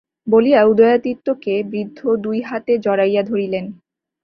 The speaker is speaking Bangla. বলিয়া উদয়াদিত্যকে বৃদ্ধ দুই হাতে জড়াইয়া ধরিলেন।